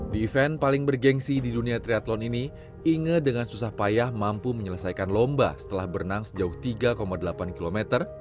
di event paling bergensi di dunia triathlon ini inge dengan susah payah mampu menyelesaikan lomba setelah berenang sejauh tiga delapan kilometer